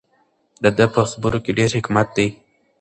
د ده په خبرو کې ډېر حکمت دی.